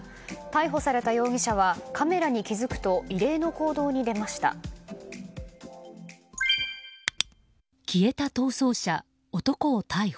逮捕された容疑者はカメラに気づくと異例の行動に出ました。